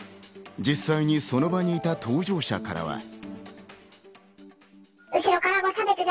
実際にその場にいた搭乗者からは。